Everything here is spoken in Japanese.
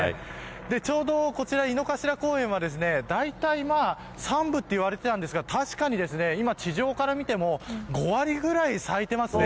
ちょうど、こちら井の頭公園はだいたい三分と言われていたんですが確かに今、地上から見ても５割ぐらい咲いてますね。